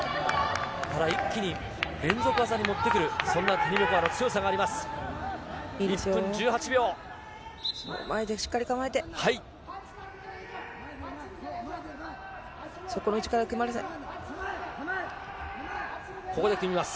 ただ一気に連続技に持ってくる、そんなティニベコワの強さがあります。